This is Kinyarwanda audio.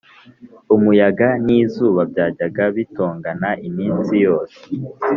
umuyaga n'izuba byajyaga bitongana iminsi yose